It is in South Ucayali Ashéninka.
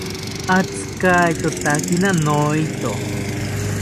Atzikaitotakina noeto